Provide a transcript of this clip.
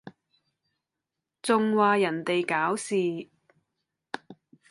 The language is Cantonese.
仲話人哋搞事？